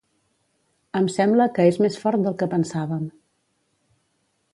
Em sembla que és més fort del que pensàvem.